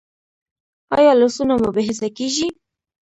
ایا لاسونه مو بې حسه کیږي؟